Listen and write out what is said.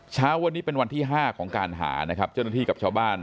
เช้าวันนี้เป็นวันที่๕ของการหานะครับเจ้าหน้าที่กับชาวบ้าน